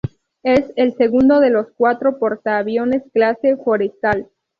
Es el segundo de los cuatro portaaviones clase "Forrestal".